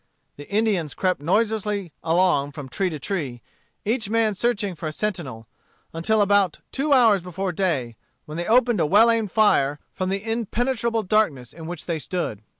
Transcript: The Indians crept noiselessly along from tree to tree, each man searching for a sentinel, until about too hours before day, when they opened a well aimed fire from the impenetrable darkness in which they stood.